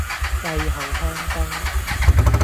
繼後香燈